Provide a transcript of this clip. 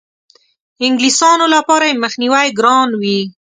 انګلیسیانو لپاره یې مخنیوی ګران وي.